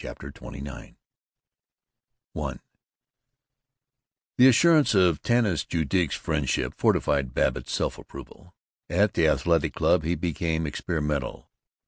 CHAPTER XXIX I The assurance of Tanis Judique's friendship fortified Babbitt's self approval. At the Athletic Club he became experimental.